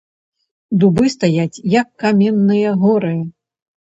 Дубы стаяць, як каменныя горы.